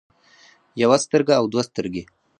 يوه سترګه او دوه سترګې